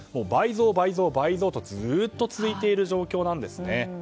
倍増、倍増とずっと続いている状況なんですね。